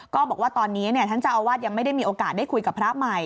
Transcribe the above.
ก็บอกว่าตอนนี้ท่านเจ้าอาวาสยังไม่ได้มีโอกาสได้คุยกับพระใหม่